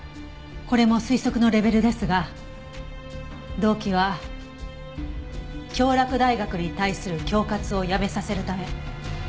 これも推測のレベルですが動機は京洛大学に対する恐喝をやめさせるため。